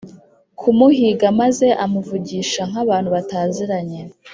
kumuhiga maze amuvugisha nkabantu bataziranye